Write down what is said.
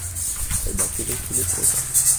Айда, пелед, пелед, роза